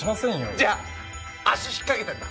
じゃあ足引っかけたんだ！